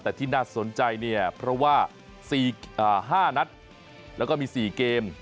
แต่ที่น่าสนใจเนี่ยเพราะว่า๕นัดแล้วก็มี๔เกม